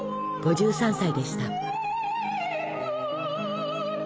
５３歳でした。